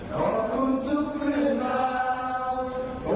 ขอบคุณทุกคนมา